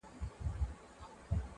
د ګوربت، باز او شاهین خبري مه کړئ،